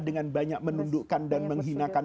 dengan banyak menundukkan dan menghinakan